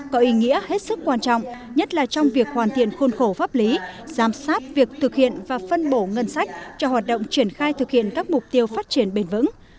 có ý nghĩa hết sức quan trọng nhất là trong việc hoàn thiện khôn khổ pháp lý giám sát việc thực hiện và phân bổ ngân sách cho hoạt động triển khai thực hiện các mục tiêu phát triển bền vững